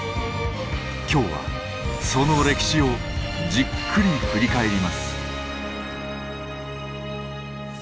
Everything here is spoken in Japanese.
今日はその歴史をじっくり振り返ります。